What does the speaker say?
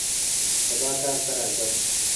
سبا کار ته راځم